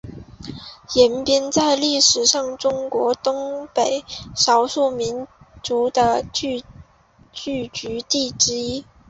延边在历史上是中国东北少数民族的聚居地之一。